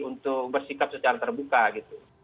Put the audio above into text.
untuk bersikap secara terbuka gitu